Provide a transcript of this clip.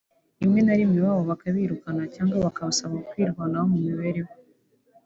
rimwe na rimwe iwabo bakabirukana cyangwa bakabasaba kwirwanaho mu mibereho